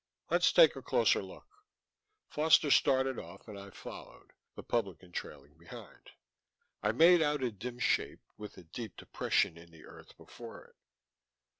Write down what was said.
"Let's take a closer look." Foster started off and I followed, the publican trailing behind. I made out a dim shape, with a deep depression in the earth before it.